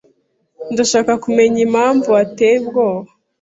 Ndashaka kumenya impamvu wateye ubwoba